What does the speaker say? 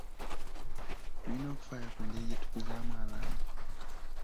Tulina okufaayo ku ngeri gye tukuzaamu abaana.